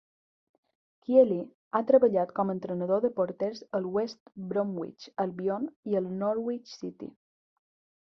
Kiely ha treballat com entrenador de porters al West Bromwich Albion i al Norwich City.